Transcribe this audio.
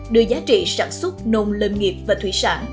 đưa giá trị sản xuất nông lâm nghiệp và thủy sản